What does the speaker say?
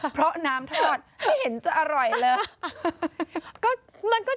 เพราะน้ำทอดไม่เห็นจะอร่อยเลย